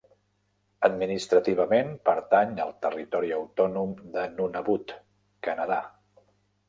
Administrativament pertany al territori autònom de Nunavut, Canadà.